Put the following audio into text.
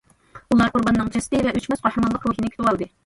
ئۇلار قۇرباننىڭ جەسىتى ۋە ئۆچمەس قەھرىمانلىق روھىنى كۈتۈۋالدى.